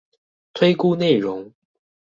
推估內容